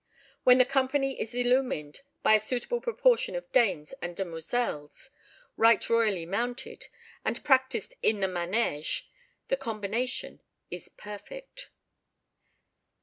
When the company is illumined by a suitable proportion of dames and demoiselles, right royally mounted, and practised in the manège, the combination is perfect.